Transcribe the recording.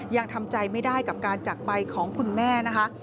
ยังทำใจไม่ได้กับการจักรไปของคุณแม่นะคะ